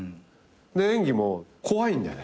演技も怖いんだよね。